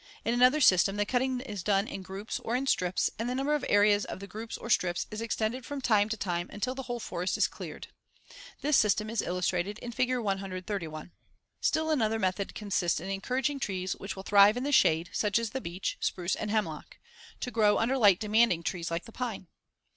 In another system the cutting is done in groups, or in strips, and the number of areas of the groups or strips is extended from time to time until the whole forest is cleared. This system is illustrated in Fig. 131. Still another method consists in encouraging trees which will thrive in the shade, such as the beech, spruce and hemlock, to grow under light demanding trees like the pine.